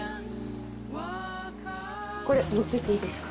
これ持ってっていいですか？